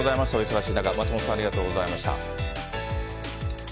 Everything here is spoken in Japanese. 忙しい中、松本さん、ありがとうございました。